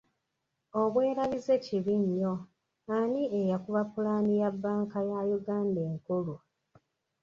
Obwerabize kibi nnyo, ani eyakuba pulaani ye bbanka ya Uganda enkulu?